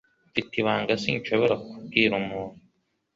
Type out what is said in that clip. Mfite ibanga sinshobora kubwira umuntu